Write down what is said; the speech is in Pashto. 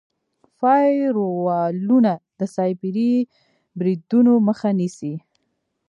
فایروالونه د سایبري بریدونو مخه نیسي.